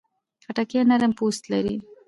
خټکی نرم پوست لري.